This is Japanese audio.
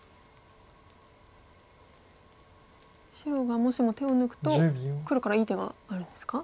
白がもしも手を抜くと黒からいい手があるんですか？